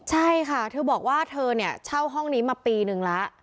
ใช่ค่ะเธอบอกว่าเธอเนี่ยเช่าห้องนี้มาปีนึงแล้ว